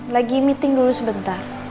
lagi meeting dulu sebentar